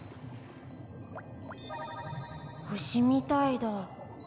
星みたいだ。